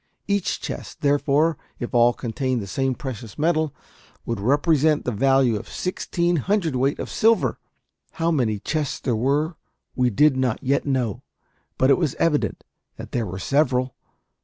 Each chest, therefore, if all contained the same precious metal, would represent the value of sixteen hundredweight of silver. How many chests there were we did not yet know; but it was evident that there were several.